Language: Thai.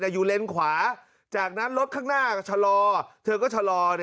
แต่อยู่เลนขวาจากนั้นรถข้างหน้าก็ชะลอเธอก็ชะลอ